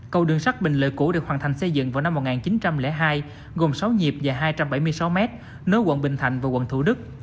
cầu đường sát bình lợi cũ được hoàn thành xây dựng vào năm một nghìn chín trăm linh hai gồm sáu nhịp và hai trăm bảy mươi sáu mét nối quận bình thành và quận thủ đức